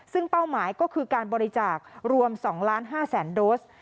ซึ่งเป้าหมายก็คือการบริจาครวม๒๕๐๐๐โดส